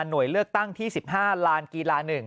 หน่วยเลือกตั้งที่๑๕ลานกีฬา๑